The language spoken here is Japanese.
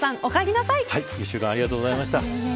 １週間ありがとうございました。